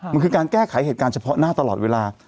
มันคือการแก้ไขเหตุการณ์เฉพาะหน้าตลอดเวลา